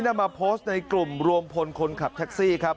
นำมาโพสต์ในกลุ่มรวมพลคนขับแท็กซี่ครับ